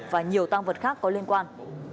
và nhiều tăng vật khác có liên quan